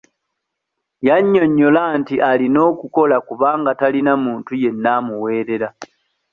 Yannyonnyola nti alina okukola kubanga talina muntu yenna amuweerera.